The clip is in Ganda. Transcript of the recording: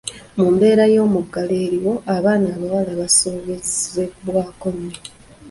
Mu mbeera y’omuggalo eriwo, abaana abawala basobezebwako nnyo.